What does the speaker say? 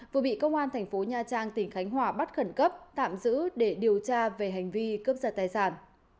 vừa bị công an tp nha trang tỉnh khánh hòa bắt khẩn cấp tạm giữ để điều tra về hành vi cướp ra tài sản